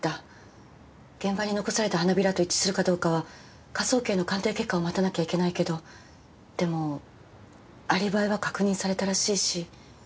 現場に残された花びらと一致するかどうかは科捜研の鑑定結果を待たなきゃいけないけどでもアリバイは確認されたらしいし。